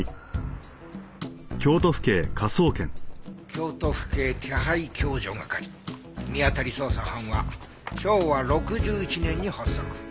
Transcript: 京都府警手配共助係見当たり捜査班は昭和６１年に発足。